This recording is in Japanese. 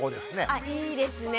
あいいですね。